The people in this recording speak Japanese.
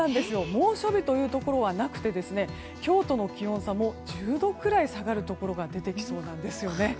猛暑日のところはなくて今日との気温差も１５度くらい下がるところも出てきそうなんですね。